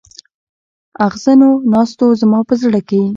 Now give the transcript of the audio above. اغزنو ناستو زما په زړه کې.